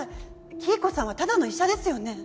黄以子さんはただの医者ですよね。